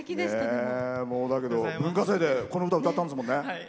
文化祭でこの歌歌ったんですもんね。